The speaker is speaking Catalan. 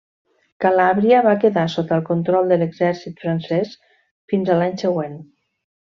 Calàbria va quedar sota el control de l'exèrcit francès fins a l'any següent.